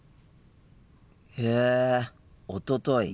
へえ「おととい」。